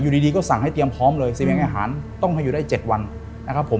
ดีก็สั่งให้เตรียมพร้อมเลยเสบียงอาหารต้องให้อยู่ได้๗วันนะครับผม